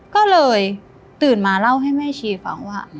ก็เลยตื่นมาเล่าให้แม่ชีฟังว่า